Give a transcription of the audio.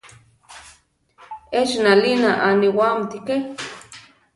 Echi nalina aniwáamti ké.